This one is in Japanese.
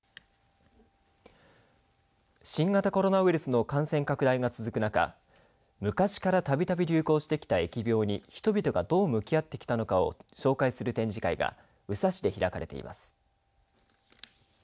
新型コロナウイルスの感染拡大が続く中昔からたびたび流行してきた疫病に人々がどう向き合ってきたのかを紹介する展示会が宇佐市で開かれています。